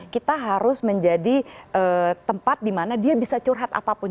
kita harus menjadi tempat di mana dia bisa curhat apapun